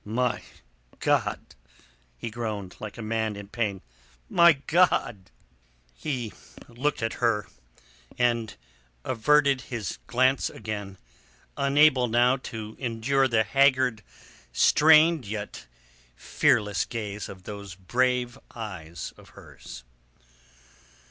"My God!" he groaned, like a man in pain. "My God!" He looked at her, and then averted his glance again, unable now to endure the haggard, strained yet fearless gaze of those brave eyes of hers.